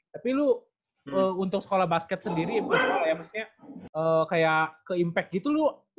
tapi lu untuk sekolah basket sendiri kayak ke impact gitu lu udah ada apa apa